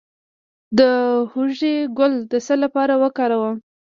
د هوږې ګل د څه لپاره وکاروم؟